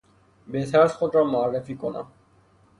بهتر است خود را معرفی کنم.